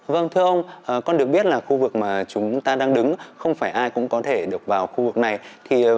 vâng thưa ông con được biết là khu vực mà chúng ta đang đứng không phải ai cũng có